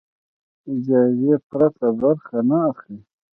اجازې پرته برخه نه اخلي.